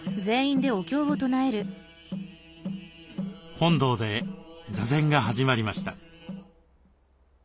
本堂で座禅が始まりました。